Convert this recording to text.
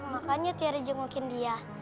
makanya tiara jengukin dia